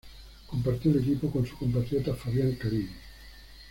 Compartió el equipo con su compatriota Fabián Carini.